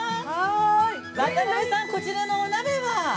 ◆渡辺さん、こちらのお鍋は？